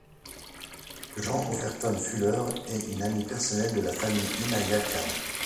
Jean Overton Fuller est une amie personnelle de la famille Inayat Khan.